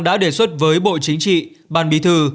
đã đề xuất với bộ chính trị ban bí thư